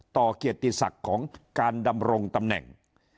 เกียรติศักดิ์ของการดำรงตำแหน่ง